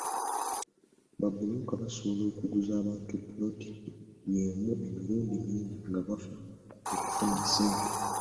Babbulooka basobola okuguza abantu ppoloti yeemu emirundi mingi nga bafa kufuna ssente.